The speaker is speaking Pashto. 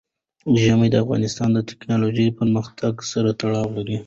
ژمی د افغانستان د تکنالوژۍ پرمختګ سره تړاو لري.